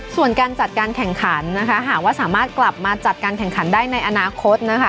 ส่วนการจัดการแข่งขันนะคะหากว่าสามารถกลับมาจัดการแข่งขันได้ในอนาคตนะคะ